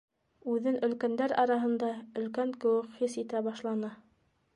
Үҙен өлкәндәр араһында өлкән кеүек хис итә башланы.